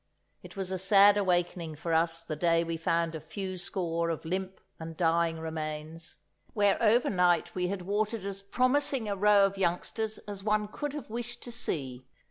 It was a sad awakening for us the day we found a few score of limp and dying remains, where over night we had watered as promising a row of youngsters as one could have wished to see.